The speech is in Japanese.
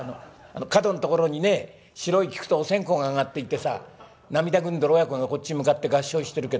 角ん所にね白い菊とお線香があがっていてさ涙ぐんでる親子がこっち向かって合掌してるけど。